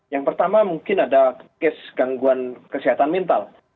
yang pertama mungkin ada kes gangguan kesehatan mental